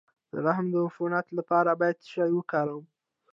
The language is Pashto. د رحم د عفونت لپاره باید څه شی وکاروم؟